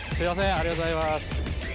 ありがとうございます